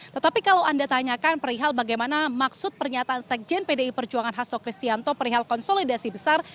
tetapi kalau anda tanyakan perihal bagaimana maksud pernyataan sekjen pdi perjuangan hasto kristianto perihal konsolidasi besar